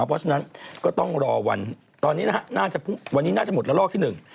เพราะฉะนั้นก็ต้องรอวันนี้น่าจะหมดละลอกที่หนึ่ง